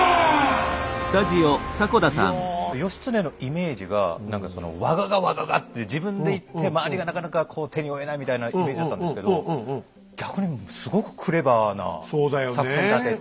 義経のイメージが何かその我がが我ががって自分で行って周りがなかなかこう手に負えないみたいなイメージだったんですけど逆にすごくクレバーな作戦立てて。